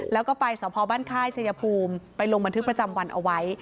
แล้วก็ไปสพบ้านค่ายชายภูมิไปลงบันทึกประจำวันเอาไว้